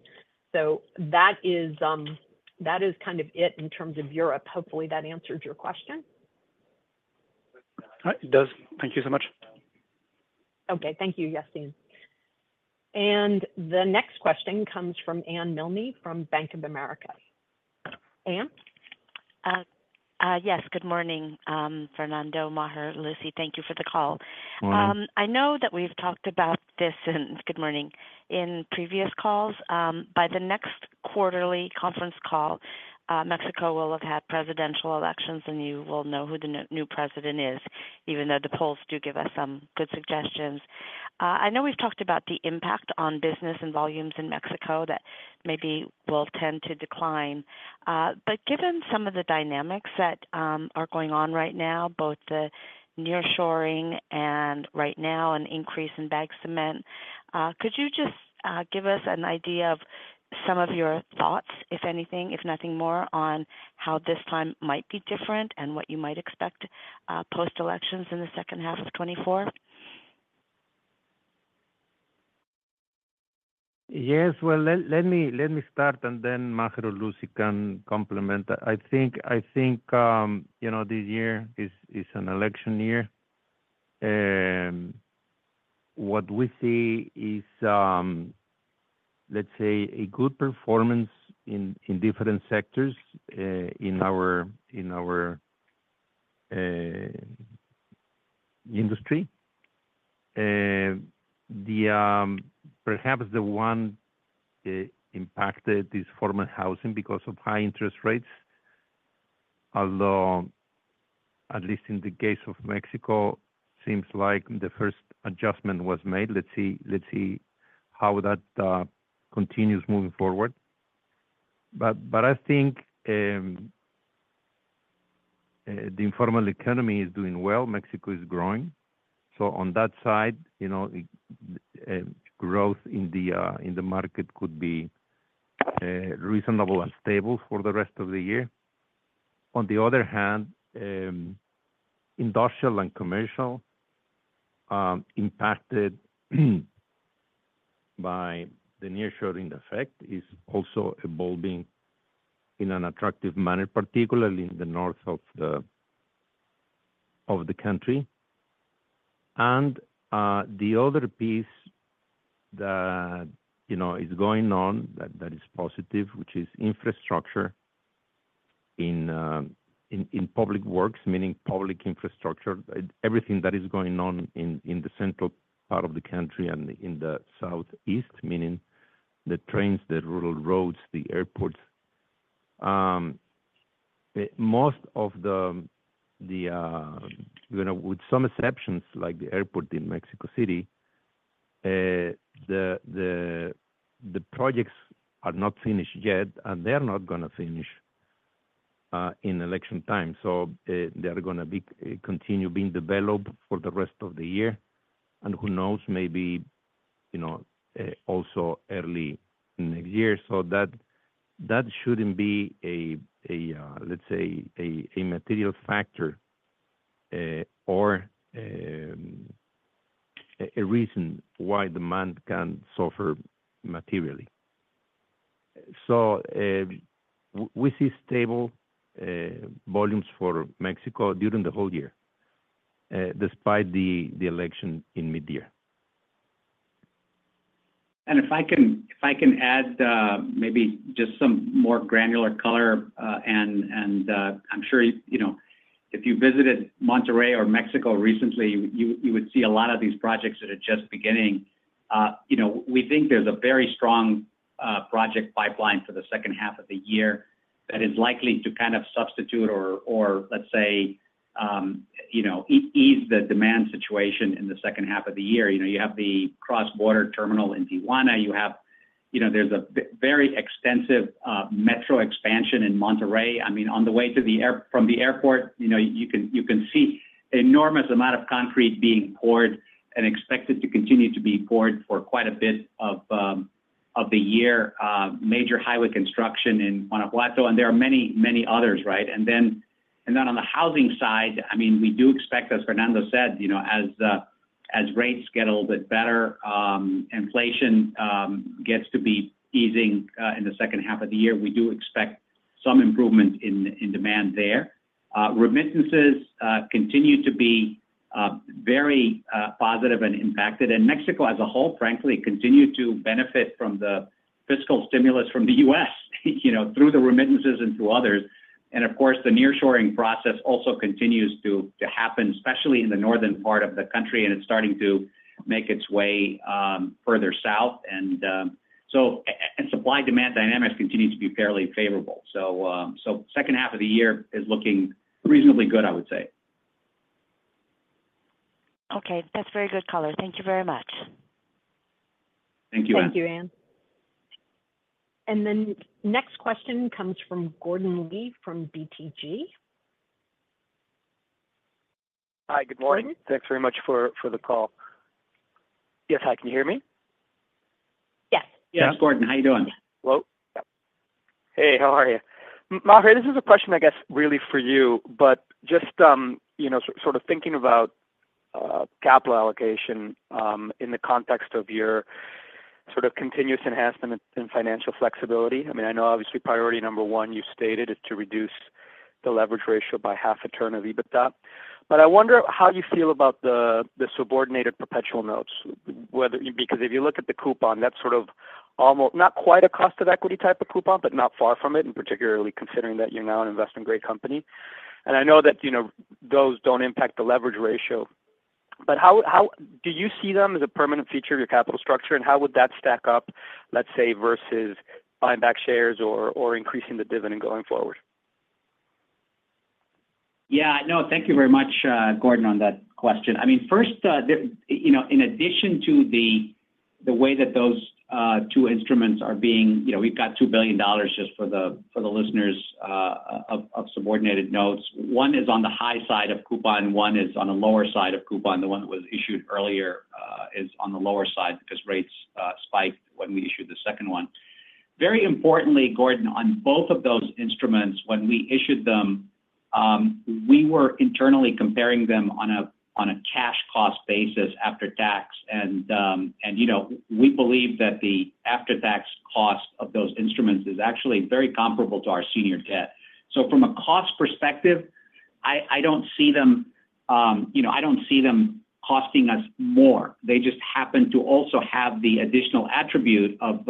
That is kind of it in terms of Europe. Hopefully, that answered your question. It does. Thank you so much. Okay. Thank you, Yassine. The next question comes from Anne Milne from Bank of America. Anne? Yes. Good morning, Fernando, Maher, Lucy. Thank you for the call. I know that we've talked about this - and good morning - in previous calls. By the next quarterly conference call, Mexico will have had presidential elections, and you will know who the new president is, even though the polls do give us some good suggestions. I know we've talked about the impact on business and volumes in Mexico that maybe will tend to decline. But given some of the dynamics that are going on right now, both the nearshoring and right now an increase in bag cement, could you just give us an idea of some of your thoughts, if anything, if nothing more, on how this time might be different and what you might expect post-elections in the second half of 2024? Yes. Well, let me start, and then Maher or Lucy can complement. I think this year is an election year. What we see is, let's say, a good performance in different sectors in our industry. Perhaps the one impacted is formal housing because of high interest rates, although at least in the case of Mexico, it seems like the first adjustment was made. Let's see how that continues moving forward. But I think the informal economy is doing well. Mexico is growing. So on that side, growth in the market could be reasonable and stable for the rest of the year. On the other hand, industrial and commercial impacted by the nearshoring effect is also evolving in an attractive manner, particularly in the north of the country. And the other piece that is going on that is positive, which is infrastructure in public works, meaning public infrastructure, everything that is going on in the central part of the country and in the southeast, meaning the trains, the rural roads, the airports. Most of the with some exceptions, like the airport in Mexico City, the projects are not finished yet, and they are not going to finish in election time. So they are going to continue being developed for the rest of the year. And who knows, maybe also early next year. So that shouldn't be a, let's say, a material factor or a reason why demand can suffer materially. So we see stable volumes for Mexico during the whole year despite the election in midyear. If I can add maybe just some more granular color, and I'm sure if you visited Monterrey or Mexico recently, you would see a lot of these projects that are just beginning. We think there's a very strong project pipeline for the second half of the year that is likely to kind of substitute or, let's say, ease the demand situation in the second half of the year. You have the cross-border terminal in Tijuana. There's a very extensive metro expansion in Monterrey. I mean, on the way from the airport, you can see an enormous amount of concrete being poured and expected to continue to be poured for quite a bit of the year, major highway construction in Guanajuato. And there are many, many others, right? And then on the housing side, I mean, we do expect, as Fernando said, as rates get a little bit better, inflation gets to be easing in the second half of the year, we do expect some improvement in demand there. Remittances continue to be very positive and impacted. And Mexico as a whole, frankly, continued to benefit from the fiscal stimulus from the U.S. through the remittances and through others. And of course, the nearshoring process also continues to happen, especially in the northern part of the country. And it's starting to make its way further south. And supply-demand dynamics continue to be fairly favorable. So second half of the year is looking reasonably good, I would say. Okay. That's very good color. Thank you very much. Thank you, Anne. Thank you, Anne. Then next question comes from Gordon Lee from BTG. Hi. Good morning. Thanks very much for the call. Yes, hi. Can you hear me? Yes. Yes. Thanks, Gordon. How you doing? Hello. Hey. How are you? Maher, this is a question, I guess, really for you, but just sort of thinking about capital allocation in the context of your sort of continuous enhancement and financial flexibility. I mean, I know obviously priority number one, you stated, is to reduce the leverage ratio by half a turn of EBITDA. But I wonder how you feel about the subordinated perpetual notes because if you look at the coupon, that's sort of not quite a cost-of-equity type of coupon, but not far from it, and particularly considering that you're now an investment-grade company. And I know that those don't impact the leverage ratio. But do you see them as a permanent feature of your capital structure, and how would that stack up, let's say, versus buying back shares or increasing the dividend going forward? Yeah. No. Thank you very much, Gordon, on that question. I mean, first, in addition to the way that those two instruments are being, we've got $2 billion just for the listeners of subordinated notes. One is on the high side of coupon. One is on the lower side of coupon. The one that was issued earlier is on the lower side because rates spiked when we issued the second one. Very importantly, Gordon, on both of those instruments, when we issued them, we were internally comparing them on a cash cost basis after tax. And we believe that the after-tax cost of those instruments is actually very comparable to our senior debt. So from a cost perspective, I don't see them I don't see them costing us more. They just happen to also have the additional attribute of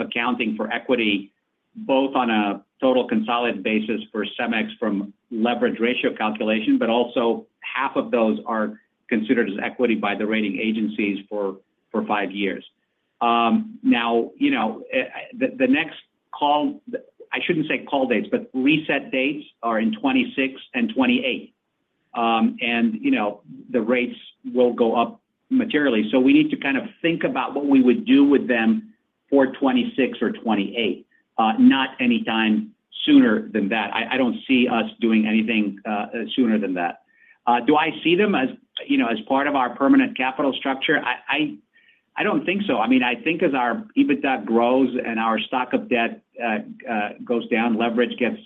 accounting for equity both on a total consolidated basis for CEMEX from leverage ratio calculation, but also half of those are considered as equity by the rating agencies for five years. Now, the next call I shouldn't say call dates, but reset dates are in 2026 and 2028. The rates will go up materially. We need to kind of think about what we would do with them for 2026 or 2028, not anytime sooner than that. I don't see us doing anything sooner than that. Do I see them as part of our permanent capital structure? I don't think so. I mean, I think as our EBITDA grows and our debt stock goes down, leverage gets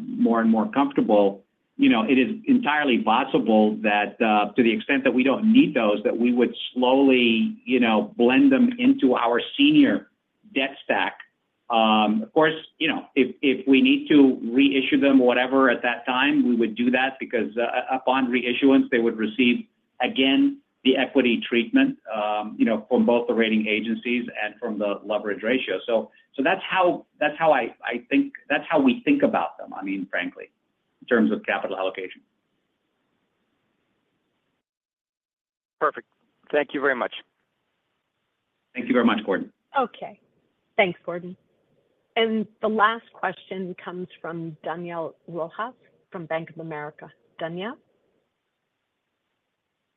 more and more comfortable. It is entirely possible that to the extent that we don't need those, that we would slowly blend them into our senior debt stack. Of course, if we need to reissue them or whatever at that time, we would do that because upon reissuance, they would receive again the equity treatment from both the rating agencies and from the leverage ratio. So that's how I think that's how we think about them, I mean, frankly, in terms of capital allocation. Perfect. Thank you very much. Thank you very much, Gordon. Okay. Thanks, Gordon. The last question comes from Daniel Rojas from Bank of America. Daniel?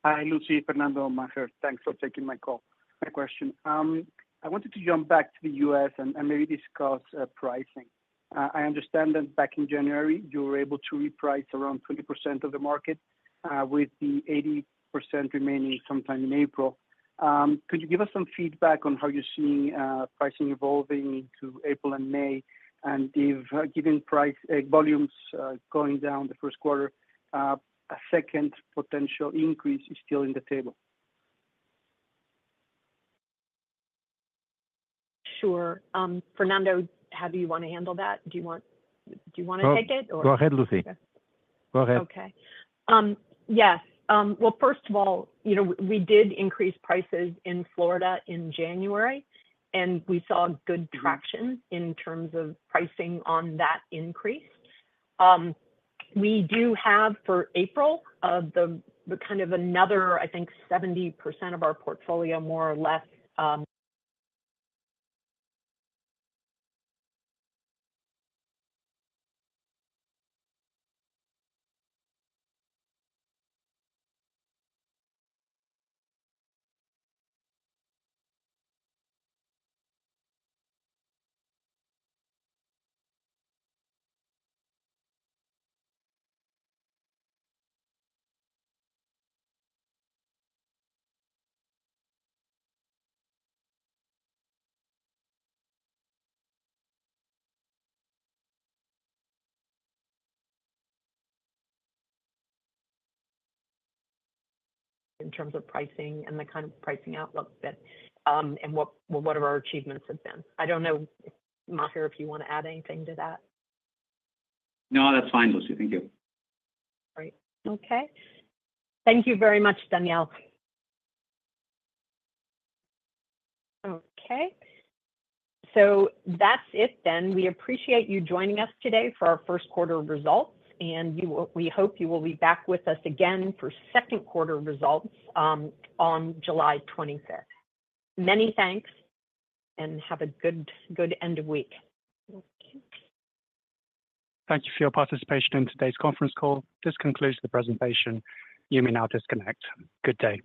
Hi, Lucy, Fernando, Maher. Thanks for taking my call, my question. I wanted to jump back to the U.S. and maybe discuss pricing. I understand that back in January, you were able to reprice around 20% of the market with the 80% remaining sometime in April. Could you give us some feedback on how you're seeing pricing evolving into April and May? And given volumes going down the first quarter, a second potential increase is still in the table. Sure. Fernando, how do you want to handle that? Do you want to take it, or? Go ahead, Lucy. Go ahead. Okay. Yes. Well, first of all, we did increase prices in Florida in January, and we saw good traction in terms of pricing on that increase. We do have for April kind of another, I think, 70% of our portfolio, more or less. In terms of pricing and the kind of pricing outlook and whatever our achievements have been. I don't know, Maher, if you want to add anything to that. No, that's fine, Lucy. Thank you. All right. Okay. Thank you very much, Daniel. Okay. So that's it then. We appreciate you joining us today for our first quarter results. And we hope you will be back with us again for second quarter results on July 25th. Many thanks, and have a good end of week. Thank you for your participation in today's conference call. This concludes the presentation. You may now disconnect. Good day.